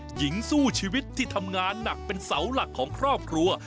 หญิงสู้ชีวิตที่ทำงานหนักเป็นเสาหลักของครอบครัว